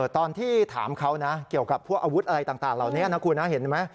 ตอนที่ถามเขาเกี่ยวกับพวกอาวุธอะไรต่างเห็นไหม